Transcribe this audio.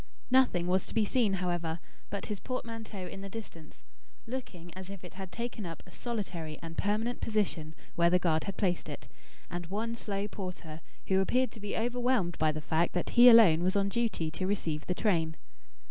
Nothing was to be seen, however, but his portmanteau in the distance looking as if it had taken up a solitary and permanent position where the guard had placed it and one slow porter, who appeared to be overwhelmed by the fact that he alone was on duty to receive the train.